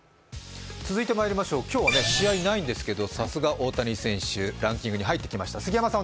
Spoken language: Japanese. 今日は試合ないんですけどさすが大谷選手、ランキングに入ってきました。